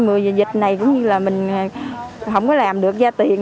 mười dịch này cũng như là mình không có làm được gia tiền